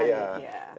jauh lebih baik ya